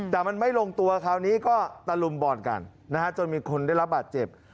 แต่มันไม่ลงตัวคราวนี้ก็ตะลุมบ่อนกันนะฮะจนมีคนได้รับบาดเจ็บ